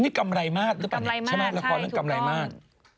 นี่กำไรมากหรือเปล่าใช่ไหมละครนั้นกำไรมาก